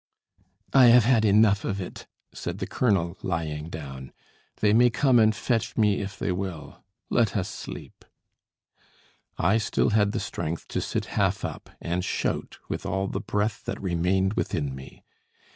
"I have had enough of it," said the colonel, lying down; "they may come and fetch me if they will. Let us sleep." I still had the strength to sit half up, and shout with all the breath that remained within me.